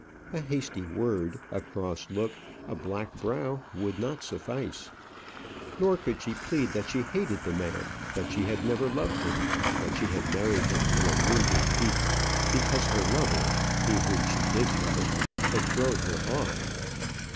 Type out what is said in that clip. A hasty word, a cross look, a black brow would not suffice. Nor could she plead that she hated the man, that she had never loved him, that she had married him in wounded pique, because her lover he whom she did love had thrown her off.